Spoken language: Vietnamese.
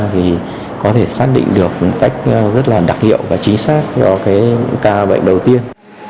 thì có thể xác định được một cách rất là đặc hiệu và chính xác cho những ca bệnh đầu tiên